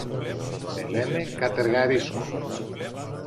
Με λένε Κατεργαρίσκο.